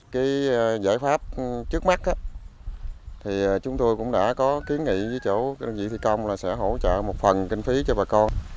cái giải pháp trước mắt thì chúng tôi cũng đã có kiến nghị với chỗ đơn vị thị công là sẽ hỗ trợ một phần kinh phí cho bà con